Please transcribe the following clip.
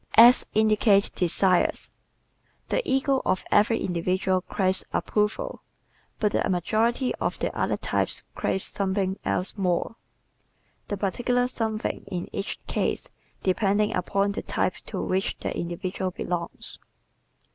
Acts Indicate Desires ¶ The ego of every individual craves approval but the majority of the other types craves something else more the particular something in each case depending upon the type to which the individual belongs.